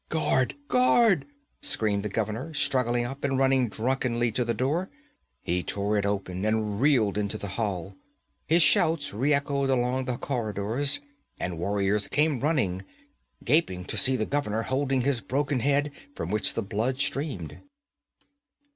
'Guard! Guard!' screamed the governor, struggling up and running drunkenly to the door. He tore it open and reeled into the hall. His shouts re echoed along the corridors, and warriors came running, gaping to see the governor holding his broken head, from which the blood streamed.